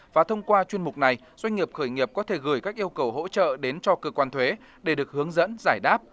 và thông qua chuyên mục này doanh nghiệp khởi nghiệp có thể gửi các yêu cầu hỗ trợ đến cho cơ quan thuế để được hướng dẫn giải đáp